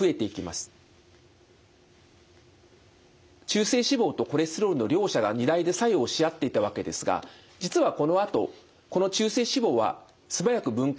中性脂肪とコレステロールの両者が荷台で作用し合っていたわけですが実はこのあとこの中性脂肪は素早く分解されて吸収されてしまいます。